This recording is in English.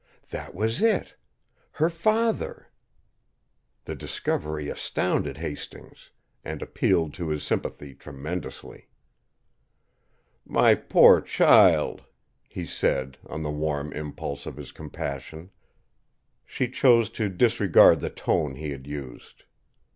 That was it! her father! The discovery astounded Hastings and appealed to his sympathy, tremendously. "My poor child!" he said, on the warm impulse of his compassion. She chose to disregard the tone he had used.